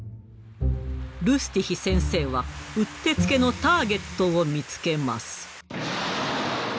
ルスティヒ先生はうってつけのターゲットを見つけます。